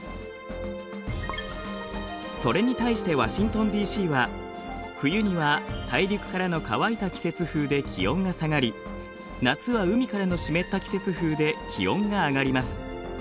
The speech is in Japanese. それに対してワシントンＤ．Ｃ．は冬には大陸からの乾いた季節風で気温が下がり夏は海からの湿った季節風で気温が上がります。